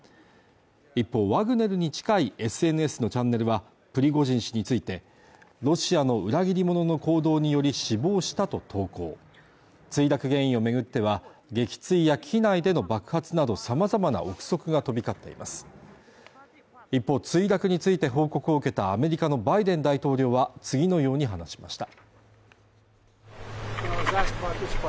一方ワグネルに近いＳＮＳのチャンネルはプリゴジン氏についてロシアの裏切り者の行動により死亡したと投稿墜落原因を巡っては撃墜や機内での爆発など様々な憶測が飛び交っています一方墜落について報告を受けたアメリカのバイデン大統領は次のように話しました